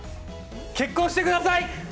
結婚してください！